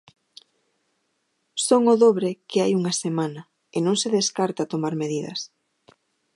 Son o dobre que hai unha semana, e non se descarta tomar medidas.